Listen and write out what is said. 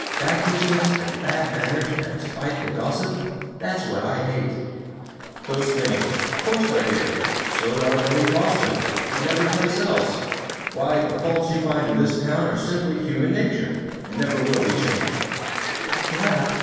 Vacuousness and bad manners and spiteful gossip that's what I hate." "Those things course they're here. So are they in Boston! And every place else! Why, the faults you find in this town are simply human nature, and never will be changed." "Perhaps.